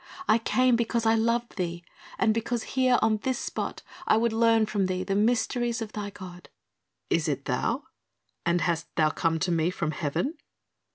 I came because I loved thee and because here on this spot I would learn from thee the mysteries of thy God." "Is it thou? And hast thou come to me from heaven?"